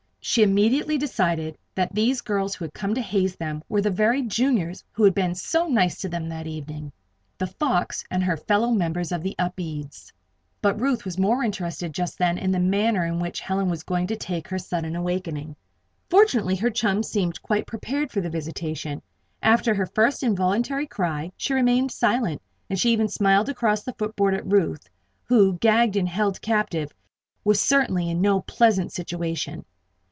She immediately decided that these girls who had come to haze them were the very Juniors who had been so nice to them that evening "The Fox" and her fellow members of the Upedes. But Ruth was more interested just then in the manner in which Helen was going to take her sudden awakening. Fortunately her chum seemed quite prepared for the visitation. After her first involuntary cry, she remained silent, and she even smiled across the footboard at Ruth, who, gagged and held captive, was certainly in no pleasant situation.